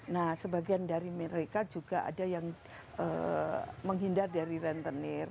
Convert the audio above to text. nah sebagian dari mereka juga ada yang menghindar dari rentenir